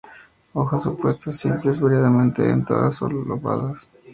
Hojas opuestas, simples, variadamente dentadas o lobadas.